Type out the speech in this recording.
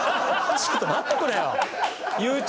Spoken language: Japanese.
ちょっと待ってくれよ。